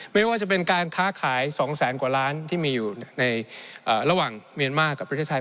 ไม่ว่าจะเป็นการค้าขาย๒แสนกว่าล้านที่มีอยู่ในระหว่างเมียนมาร์กับประเทศไทย